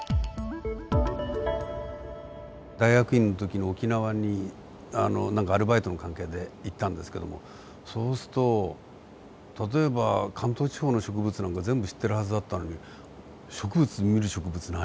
大学院の時に沖縄にあの何かアルバイトの関係で行ったんですけどもそうすると例えば関東地方の植物なんか全部知ってるはずだったのに植物見る植物何にも知らない。